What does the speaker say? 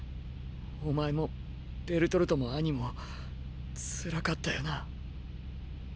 お前もベルトルトもアニも辛かったよな。